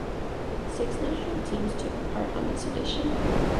Six national teams took part on this edition.